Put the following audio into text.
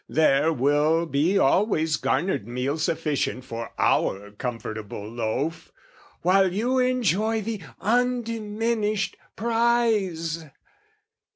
There will be always garnered meal "Sufficient for our comfortable loaf, "While you enjoy the undiminished prize!"